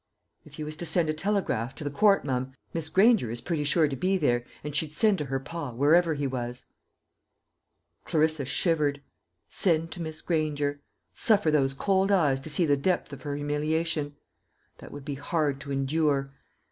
"If you was to send a telegraft to the Court, mum, Miss Granger is pretty sure to be there, and she'd send to her pa, wherever he was." Clarissa shivered. Send to Miss Granger! suffer those cold eyes to see the depth of her humiliation! That would be hard to endure.